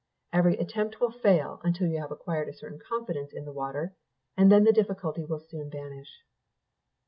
Every attempt will fail until you have acquired a certain confidence in the water, and then the difficulty will soon vanish.